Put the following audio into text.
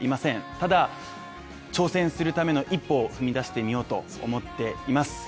ただ、挑戦するための一歩を踏み出してみようと思っています。